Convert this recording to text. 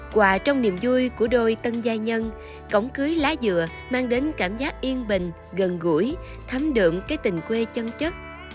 quà trong niềm vui của đôi tân gia nhân cổng cưới lá dừa mang đến cảm giác yên bình gần gũi thấm đượm cái tình quê chân chất